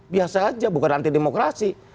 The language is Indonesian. biasa aja bukan anti demokrasi